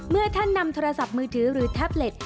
เมื่อท่านนำโทรศัพท์มือถือหรือแท็บเล็ต